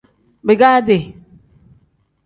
Bigaadi.